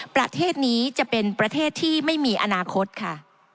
ประเทศนี้จะเป็นประเทศที่ไม่มีอนาคตค่ะ